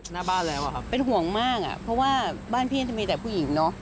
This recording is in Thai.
หน้าบ้านแล้วอะครับเป็นห่วงมากอ่ะเพราะว่าบ้านพี่จะมีแต่ผู้หญิงเนอะ